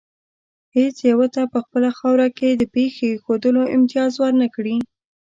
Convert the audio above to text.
هېڅ یو ته په خپله خاوره کې د پښې ایښودلو امتیاز ور نه کړي.